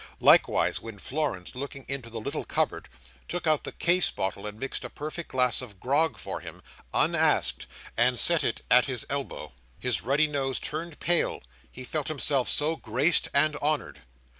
Likewise, when Florence, looking into the little cupboard, took out the case bottle and mixed a perfect glass of grog for him, unasked, and set it at his elbow, his ruddy nose turned pale, he felt himself so graced and honoured.